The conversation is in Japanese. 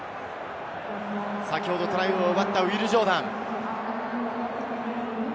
先ほどトライを奪ったウィル・ジョーダン。